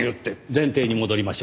前提に戻りましょう。